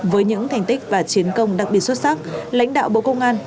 với những thành tích và chiến công đặc biệt xuất sắc lãnh đạo bộ công an